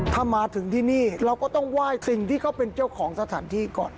ถ้ามาถึงที่นี่เราก็ต้องไหว้สิ่งที่เขาเป็นเจ้าของสถานที่ก่อน